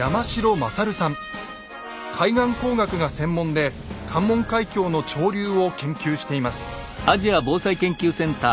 海岸工学が専門で関門海峡の潮流を研究しています。